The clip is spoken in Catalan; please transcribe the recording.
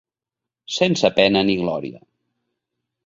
Sense pena ni glòria.